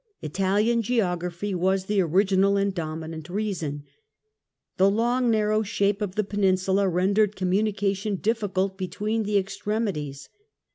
Italian geography was the original and dominant reason. The long narrow shape of the Peninsula rendered communication difficult between the extremities.